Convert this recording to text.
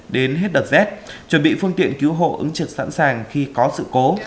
đến hết đợt rét chuẩn bị phương tiện cứu hộ ứng trực sẵn sàng khi có sự cố